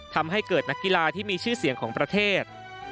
ทำให้เกิดนักกีฬาที่มีชื่อเสียงของประเทศ